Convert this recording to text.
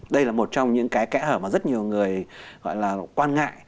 đây là một trong những cái kẽ hở mà rất nhiều người gọi là quan ngại